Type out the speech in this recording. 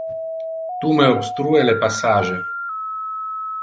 Tu me obstrue le passage.